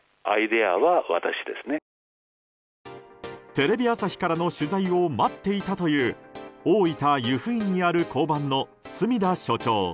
テレビ朝日からの取材を待っていたという大分・湯布院にある交番の隅田所長。